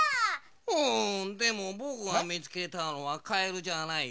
うんでもぼくがみつけたのはかえるじゃないよ。